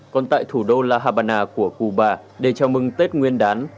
còn tại thủ đô la habana của cuba để chào mừng tết nguyên đán